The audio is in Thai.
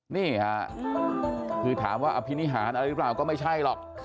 นี่ค่ะคือถามว่าอภินิหารอะไรหรือเปล่าก็ไม่ใช่หรอก